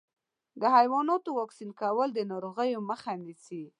د حیواناتو واکسین کول د ناروغیو مخه نیسي.